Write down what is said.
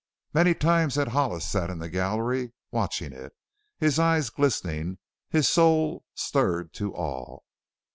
Many times had Hollis sat in the gallery watching it, his eyes glistening, his soul stirred to awe.